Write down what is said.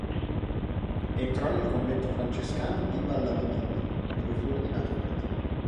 Entrò nel convento francescano di Valladolid dove fu ordinato prete.